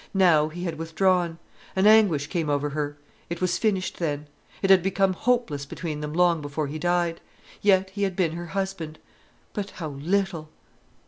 Now he had withdrawn. An anguish came over her. It was finished then: it had become hopeless between them long before he died. Yet he had been her husband. But how little!